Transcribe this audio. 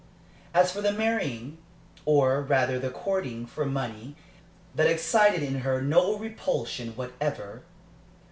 As for the marrying, or rather the courting, for money, that excited in her no repulsion whatever.